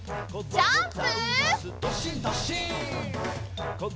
ジャンプ！